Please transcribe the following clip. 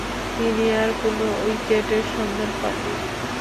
তিনি আর কোন উইকেটের সন্ধান পাননি।